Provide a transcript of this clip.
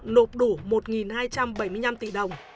nộp đủ một hai trăm bảy mươi năm tỷ đồng